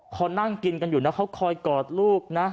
พอนั่งกินกันอยู่นะเขาคอยกอดลูกนะ